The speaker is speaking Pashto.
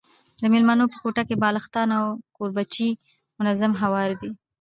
د مېلمنو په کوټه کي بالښتان او کوربچې منظم هواري دي.